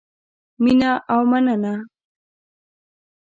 مینه او مننه